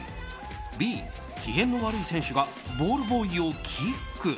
Ｂ、機嫌の悪い選手がボールボーイをキック。